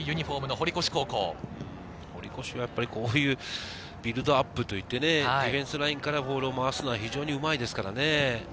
堀越はこういうビルドアップ、ディフェンスラインからボールを回すのは非常にうまいですからね。